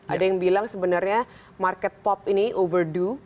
ada yang bilang sebenarnya market pop ini overdo